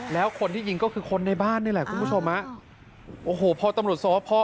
แล้วคนที่ยิงก็คือคนในบ้านนี่แหละคุณผู้ชมฮะโอ้โหพอตำรวจสอบพ่อ